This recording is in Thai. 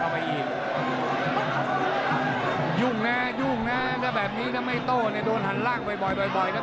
ไม่มีร้อนเล่นเลยน่ะมาบนวงมาตรงต้องเอาจริงหมดทุกตัว